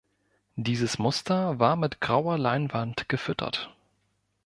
Dieses Muster war mit grauer Leinwand gefüttert.